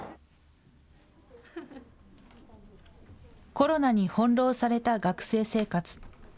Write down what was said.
コロナに翻弄された学生生活。